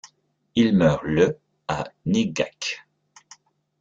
Il meurt le à Néguac.